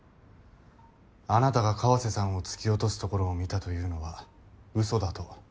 あなたが川瀬さんを突き落とすところを見たというのは嘘だと。